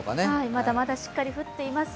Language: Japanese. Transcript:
まだまだしっかり降っています。